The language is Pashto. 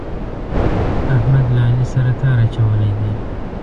احمد له علي سره تار اچولی دی.